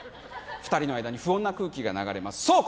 ２人の間に不穏な空気が流れますそう